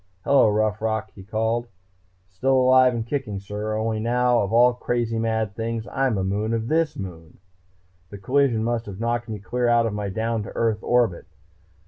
"Hello, Rough Rock," he called. "Still alive and kicking, sir. Only now, of all crazy mad things, I'm a moon of this moon! The collision must have knocked me clear out of my down to Earth orbit....